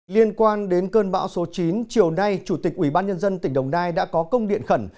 liên quan đến cơn bão số chín chiều nay chủ tịch ubnd tỉnh đồng nai đã có công điện khẩn